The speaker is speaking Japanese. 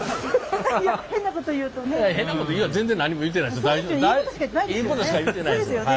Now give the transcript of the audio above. いいことしか言ってないですよね。